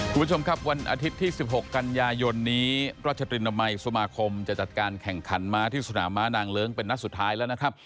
คุณผู้ชมครับวันอาทิตย์ที่๑๖กันยายนนี้ราชตรีนามัยสมาคมจะจัดการแข่งขันม้าที่สนามม้านางเลิ้งเป็นนัดสุดท้ายแล้วนะครับ